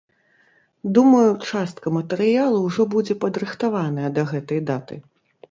Думаю, частка матэрыялу ўжо будзе падрыхтаваная да гэтай даты.